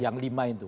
yang lima itu